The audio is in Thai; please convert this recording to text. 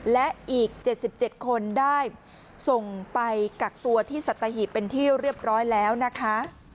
และอีก๗๗คนได้ส่งไปกักตัวที่สัตหีบเป็นที่เรียบร้อยแล้วนะคะ